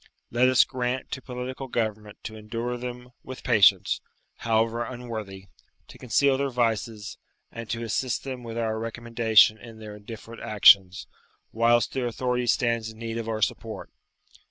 Let us grant to political government to endure them with patience, however unworthy; to conceal their vices; and to assist them with our recommendation in their indifferent actions, whilst their authority stands in need of our support.